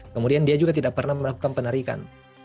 kemudian dia juga tidak pernah melakukan penarikan